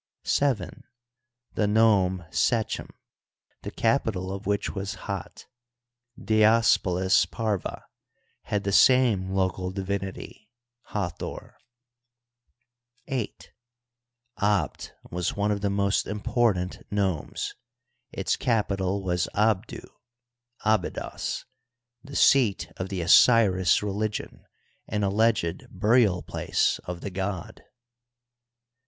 VII. The nome Sechem, the capital of which was Hat {Diospolis parvd) had the same local divinity, Hathor* Digitized by CjOOQIC INTRODUCTORY. ii VII I. Abt was one of the most important nomes ; its cap ital was Abdu (Abydos) the seat of the Osiris religion, and alleged burial place of the god.